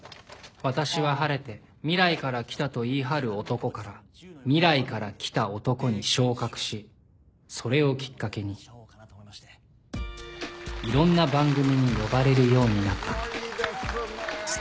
私は晴れて「未来から来たと言い張る男」から「未来から来た男」に昇格しそれをきっかけにいろんな番組に呼ばれるようになったすごいですね。